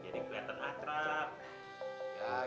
yak ini merebutnya mau ganti channel ke kartu